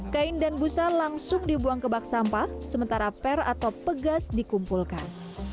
kain dan busa langsung dibuang ke bak sampah sementara per atau pegas dikumpulkan